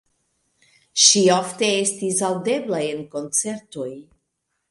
Ŝi ofte estis aŭdebla en koncertoj.